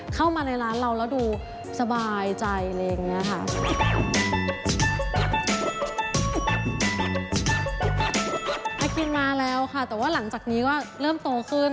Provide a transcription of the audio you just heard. อคินมาแล้วค่ะแต่ว่าหลังจากนี้ก็เริ่มโตขึ้น